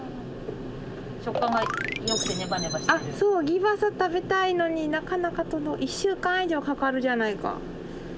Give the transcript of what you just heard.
ぎばさ食べたいのになかなか１週間以上かかるじゃないか。